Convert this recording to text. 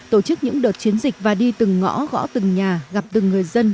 tổ chức những đợt chiến dịch và đi từng ngõ gõ từng nhà gặp từng người dân